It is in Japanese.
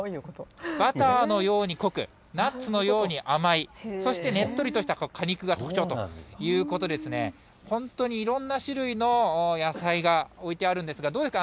バターのように濃く、ナッツのように甘い、そしてねっとりとした果肉が特徴ということで、本当にいろんな種類の野菜が置いてあるんですが、どうですか？